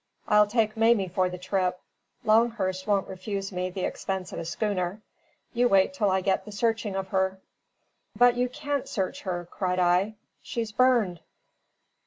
I'll take Mamie for the trip; Longhurst won't refuse me the expense of a schooner. You wait till I get the searching of her." "But you can't search her!" cried I. "She's burned."